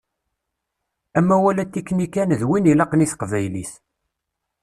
Amawal atiknikand win ilaqen i teqbaylit.